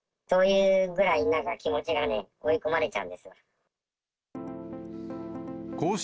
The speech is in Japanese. そういうぐらいなんか、気持ちがね、追い込まれちゃうんですよ。